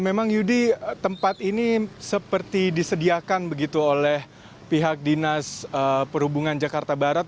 memang yudi tempat ini seperti disediakan begitu oleh pihak dinas perhubungan jakarta barat